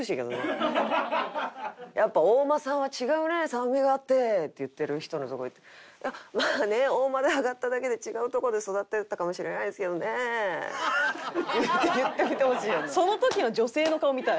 「やっぱ大間産は違うね酸味があって」って言ってる人のとこで「まあね大間で揚がっただけで違うところで育ってたかもしれないですけどね」って言ってみてほしいよな。